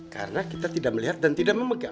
karena kita tidak melihat dan tidak memegang